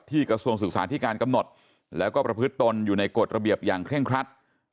กระทรวงศึกษาที่การกำหนดแล้วก็ประพฤติตนอยู่ในกฎระเบียบอย่างเคร่งครัด